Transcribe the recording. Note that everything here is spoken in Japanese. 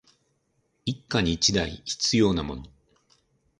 一家に一台必要なもの